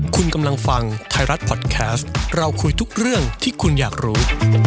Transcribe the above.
คุณกำลังฟังไทยรัฐพอดแคสต์เราคุยทุกเรื่องที่คุณอยากรู้